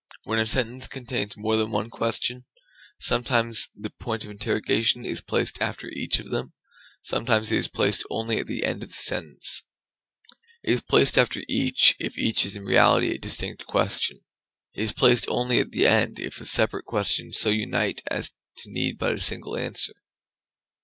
When a sentence contains more than one question, sometimes the point of interrogation is placed after each of them, sometimes it is placed only at the end of the sentence. It is placed after each, if each is in reality a distinct question; it is placed only at the end, if the separate questions so unite as to need but a single answer.